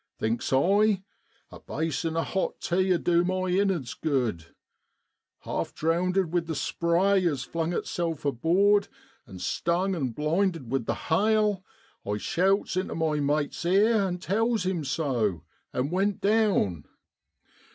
Thinks I, a basin o' hot tea 'ud du my innerds good. Half drownded with the spray as flung itself aboard, and stung an' blinded with the hail, I shouts into my mate's ear, and tells him so; an' went down.